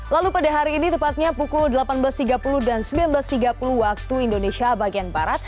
lalu pada hari ini tepatnya pukul delapan belas tiga puluh dan sembilan belas tiga puluh waktu indonesia bagian barat